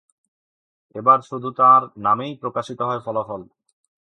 এবার শুধু তাঁর নামেই প্রকাশিত হয় ফলাফল।